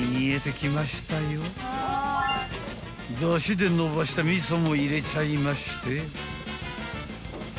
［だしでのばした味噌も入れちゃいまして］